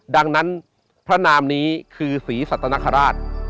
ดังนั้นพระนามนี้คือศรีสัตนคราช